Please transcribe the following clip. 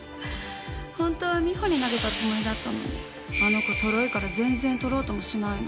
本当は美穂に投げたつもりだったのにあの子トロいから全然取ろうともしないの。